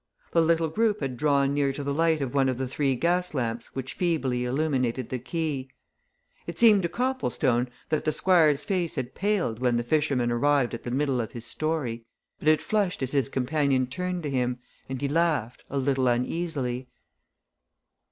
The little group had drawn near to the light of one of the three gas lamps which feebly illuminated the quay; it seemed to Copplestone that the Squire's face had paled when the fisherman arrived at the middle of his story. But it flushed as his companion turned to him, and he laughed, a little uneasily.